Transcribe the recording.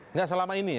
nggak selama ini ya